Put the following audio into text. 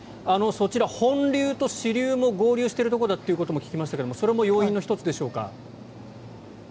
そちら、本流と支流も合流しているところだとも聞きましたがそれも要因の１つでしょうか？